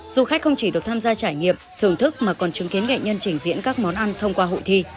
du khách không chỉ được tham gia trải nghiệm thưởng thức mà còn chứng kiến nghệ nhân trình diễn các món ăn thông qua hội thi